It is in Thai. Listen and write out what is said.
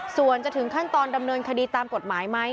ส่วนจะถึงขั้นตอนดำเนินคดีตามกฎหมายไหม